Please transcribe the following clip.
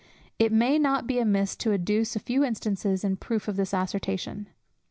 It may not be amiss to adduce a few instances in proof of this assertion.